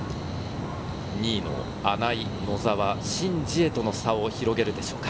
２位の穴井、野澤、シン・ジエとの差を広げるでしょうか。